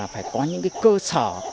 phải có những cơ sở